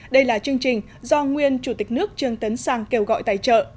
đây là chương trình do nguyên chủ tịch nước trương tấn sang kêu gọi tài trợ